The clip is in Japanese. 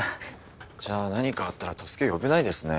じゃあ何かあったら助け呼べないですね。